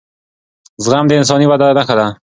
زغم د انساني ودې نښه ده